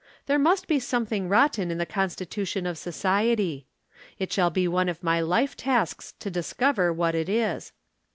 There must be something rotten in the constitution of Society. It shall be one of my life tasks to discover what it is.